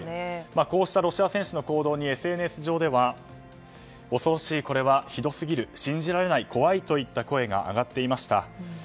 こうしたロシア選手の行動にＳＮＳ上では恐ろしい、これはひどすぎる信じられない、怖いといった声が上がっていました。